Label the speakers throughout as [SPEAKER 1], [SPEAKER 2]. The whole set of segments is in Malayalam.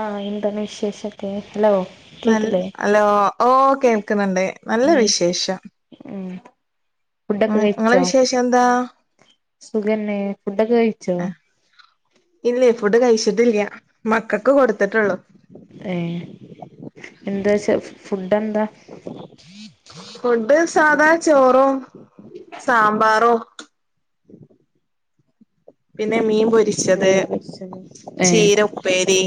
[SPEAKER 1] ആഹ് എന്താണ് വിശേഷക്കെ ഹലോ
[SPEAKER 2] നൽ ഹലോ ഓ കേൾക്കുന്നുണ്ട് നല്ല
[SPEAKER 1] [unintelligible] ഉം
[SPEAKER 2] വിശേഷം
[SPEAKER 1] ഉം
[SPEAKER 2] ഉം
[SPEAKER 1] ഫുഡൊക്കെ
[SPEAKER 2] ഇങ്ങളെ
[SPEAKER 1] കഴിച്ചോ?
[SPEAKER 2] വിശേഷം എന്താ
[SPEAKER 1] സുഖന്നെ ഫുഡൊക്കെ കഴിച്ചോ?
[SPEAKER 2] ആഹ് ഇല്ലേ ഫുഡ് കഴിച്ചിട്ടില്യാ മക്കക്ക് കൊടുത്തിട്ടേ ഉള്ളു
[SPEAKER 1] ഏഹ് എന്താ ചെ [unintelligible]
[SPEAKER 2] [unintelligible] സാധാ ചോറോ സാമ്പാറോ. പിന്നെ മീൻ പൊരിച്ചത്,
[SPEAKER 1] മീൻ പൊരിച്ചതും
[SPEAKER 2] ചീര ഉപ്പേരി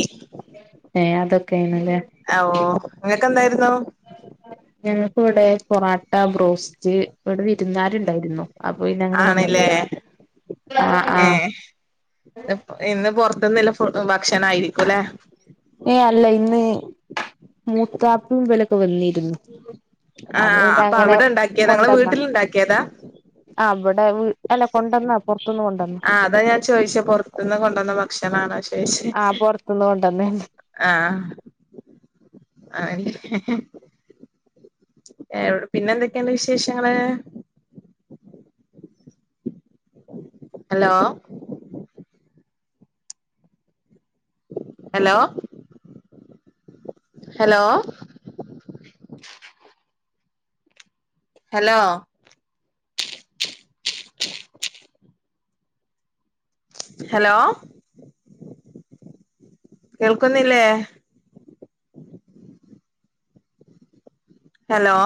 [SPEAKER 1] ഏ അതൊക്കെയാണ്
[SPEAKER 2] [unintelligible] നിങ്ങക്ക് എന്തായിരുന്നു?
[SPEAKER 1] ഞങ്ങക്ക് ഇവിടെ പൊറോട്ട, ബ്രോസ്റ്റ് ഇവിടെ വിരുന്ന് കാര് ഉണ്ടായിരുന്നു
[SPEAKER 2] ആണല്ലേ
[SPEAKER 1] ആഹ്
[SPEAKER 2] ഏ
[SPEAKER 1] ആഹ്
[SPEAKER 2] ഇന്ന് പൊറത്തിന്നില്ല ഫു [unintelligible] ക്ഷണായിരിക്കൂല്ലേ?
[SPEAKER 1] മൂത്താപ്പും വില ഇപ്പം വന്നിരുന്നു
[SPEAKER 2] ആഹ്
[SPEAKER 1] പിന്നെ
[SPEAKER 2] അപ്പൊ
[SPEAKER 1] അങ്ങനെ
[SPEAKER 2] അവിടെണ്ടാക്കിയതാ ഇങ്ങളെ
[SPEAKER 1] കൊണ്ടന്ന
[SPEAKER 2] വീട്ടിൽ ഇണ്ടാക്കിയതാ
[SPEAKER 1] ആ വീ
[SPEAKER 2] ആ അതാ ഞാൻ ചോയിച്ചെ പൊറത്ത്ന്ന് കൊണ്ടന്ന ഭക്ഷണാണോ ചോയിച്ചെ
[SPEAKER 1] ആ പൊറത്ത്ന്ന് കൊണ്ടന്നനെ
[SPEAKER 2] ആ എല്ലെ ഏ എവടെ പിന്നെ എന്തക്കേണ്ട് വിശേഷങ്ങള് hello hello hello hello hello കേൾക്കുന്നില്ലേ ഹലോ